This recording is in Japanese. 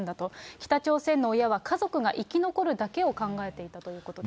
北朝鮮の親は家族が生き残るだけを考えていたということです。